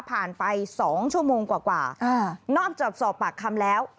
ไป๒ชั่วโมงกว่านอกจากสอบปากคำแล้ว